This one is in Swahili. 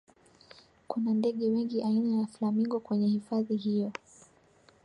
kuna ndege wengi aina ya flamingo kwenye hifadhi hiyo